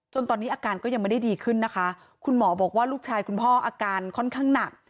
ตอนนี้อาการก็ยังไม่ได้ดีขึ้นนะคะคุณหมอบอกว่าลูกชายคุณพ่ออาการค่อนข้างหนัก